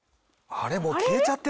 あれ？